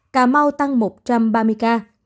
cà mau tăng một trăm ba mươi ca